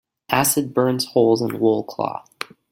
Acid burns holes in wool cloth.